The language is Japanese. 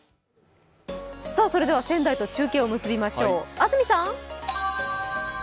それでは、仙台と中継を結びましょう。